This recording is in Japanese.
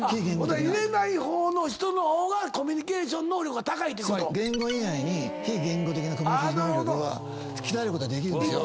言えない方の人の方がコミュニケーション能力が高いってこと⁉言語以外に非言語的なコミュニケーション能力は鍛えることができるんですよ。